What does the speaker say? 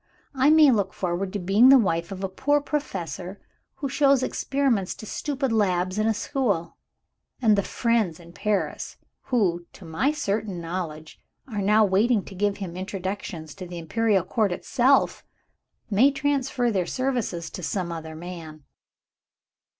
I may look forward to being the wife of a poor Professor, who shows experiments to stupid lads in a school. And the friends in Paris, who, to my certain knowledge, are now waiting to give him introductions to the Imperial Court itself, may transfer their services to some other man.